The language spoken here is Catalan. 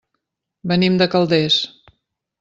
Venim de Calders.